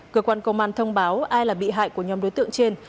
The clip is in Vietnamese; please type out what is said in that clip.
cơ quan công an thông báo ai là bị hại của nhóm đối tượng trên